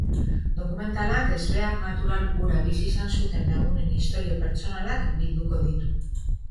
Dokumentalak ezbehar natural hura bizi izan zuten lagunen istorio pertsonalak bilduko ditu.